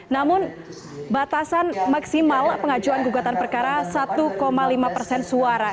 namun batasan maksimal pengajuan gugatan perkara satu lima persen suara